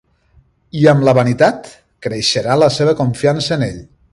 I amb la vanitat, creixerà la seva confiança en ell.